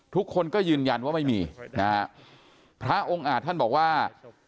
ทุกคนก็ยืนยันว่าไม่มีนะฮะพระองค์อาจท่านบอกว่า